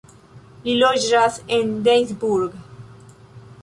Li loĝas en Duisburg.